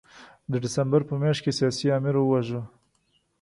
د ډسمبر په میاشت کې سیاسي آمر وواژه.